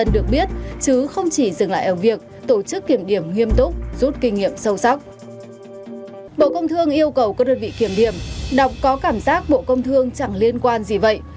đọc có cảm giác bộ công thương chẳng liên quan gì vậy